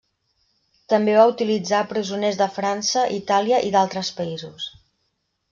També va utilitzar presoners de França, Itàlia, i d'altres països.